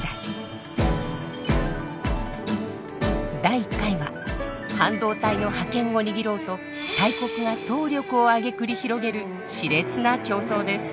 第１回は半導体の覇権を握ろうと大国が総力を挙げ繰り広げる熾烈な競争です。